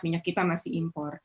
minyak kita masih impor